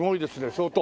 相当。